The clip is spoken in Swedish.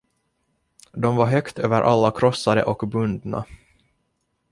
De var högt över alla krossade och bundna.